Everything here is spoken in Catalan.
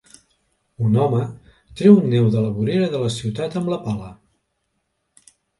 Un home treu neu de la vorera de la ciutat amb la pala.